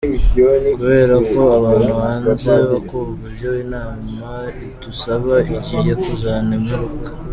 Kubera ko abantu banze kumva ibyo imana idusaba, igiye kuzana Imperuka.